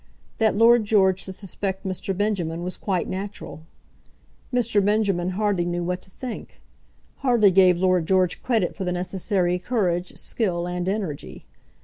That Lord George should suspect Mr. Benjamin was quite natural. Mr. Benjamin hardly knew what to think; hardly gave Lord George credit for the necessary courage, skill, and energy.